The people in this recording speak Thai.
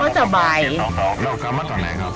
เป็นหนาวแล้วก็สบาย